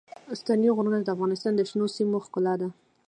ستوني غرونه د افغانستان د شنو سیمو ښکلا ده.